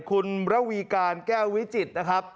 คุณระวีการแก้ววิจิตรนะครับ